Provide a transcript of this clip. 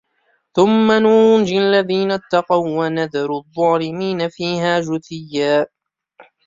ثُمَّ نُنَجِّي الَّذِينَ اتَّقَوْا وَنَذَرُ الظَّالِمِينَ فِيهَا جِثِيًّا